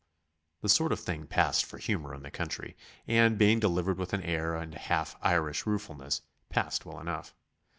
The sort of thing passed for humour in the county, and, being delivered with an air and a half Irish ruefulness, passed well enough.